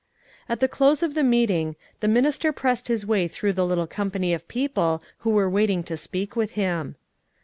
At the close of the meeting, the minister pressed his way through the little company of people who were waiting to speak with him.